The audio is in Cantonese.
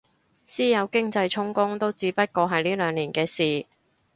私有經濟充公都只不過係呢兩年嘅事